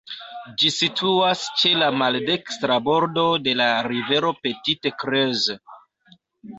Ĝi situas ĉe la maldekstra bordo de la rivero Petite Creuse.